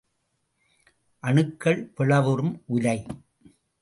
அணுக்கள் பிளவுறும் உலை.